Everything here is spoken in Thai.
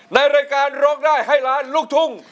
ในรายการร้องได้ให้ล้านลูกทุ่ง